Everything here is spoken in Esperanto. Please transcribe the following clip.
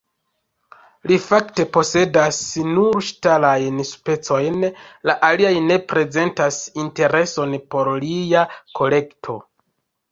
Li fakte posedas nur ŝtalajn specojn, la aliaj ne prezentas intereson por lia kolekto.